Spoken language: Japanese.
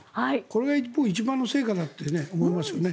これが一番の成果だと思いますね。